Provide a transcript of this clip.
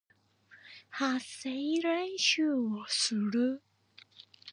発声練習をする